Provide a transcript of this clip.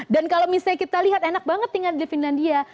dan kalau misalnya kita lihat enak banget tinggal di finlandia